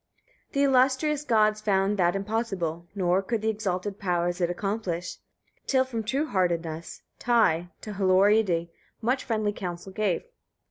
4. The illustrious gods found that impossible, nor could the exalted powers it accomplish, till from true heartedness, Ty to Hlorridi much friendly counsel gave.